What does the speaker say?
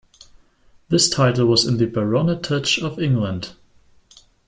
This title was in the Baronetage of England.